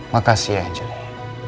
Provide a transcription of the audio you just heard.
makasih ya cinta